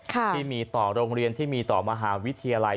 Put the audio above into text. ที่มีต่อโรงเรียนที่มีต่อมหาวิทยาลัย